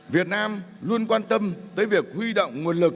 việt nam luôn quan tâm tới việc huy động nguồn lực quốc tế